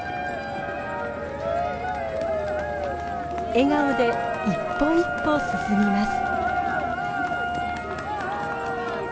笑顔で一歩一歩進みます。